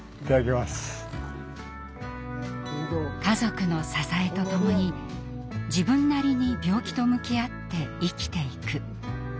家族の支えとともに自分なりに病気と向き合って生きていく。